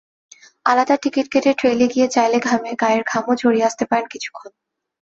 আলাদা টিকিট কেটে ট্রেইলে গিয়ে চাইলে গায়ের ঘামও ঝরিয়ে আসতে পারেন কিছুক্ষণ।